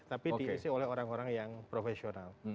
tapi diisi oleh orang orang yang profesional